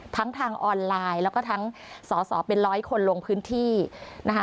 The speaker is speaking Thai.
ทั้งทางออนไลน์แล้วก็ทั้งสอสอเป็นร้อยคนลงพื้นที่นะคะ